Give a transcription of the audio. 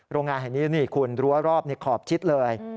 โรงงานแห่งนี้นี่คุณรั้วรอบขอบชิดเลย